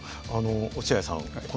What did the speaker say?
落合さん